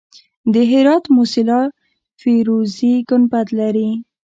د هرات موسیلا فیروزي ګنبد لري